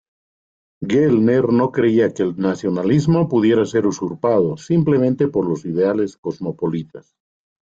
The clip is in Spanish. Gellner no creía que el nacionalismo pudiera ser usurpado simplemente por los ideales cosmopolitas.